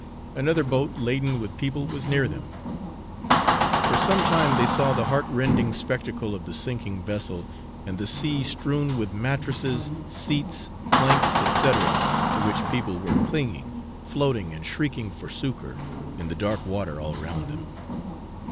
Another boat laden with people was near them. For some time they saw the heartrending spectacle of the sinking vessel, and the sea strewn with mattresses, seats, planks, &c, to which people were clinging, floating, and shrieking for succour, in the dark water all round them.